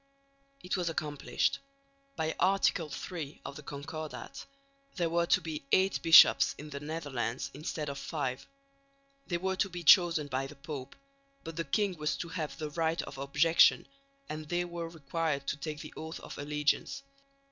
It was accomplished. By Article III of the Concordat, there were to be eight bishops in the Netherlands instead of five. They were to be chosen by the Pope, but the king was to have the right of objection, and they were required to take the oath of allegiance.